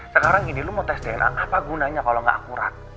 sekarang gini lo mau tes dna apa gunanya kalau nggak akurat